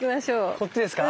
こっちですか？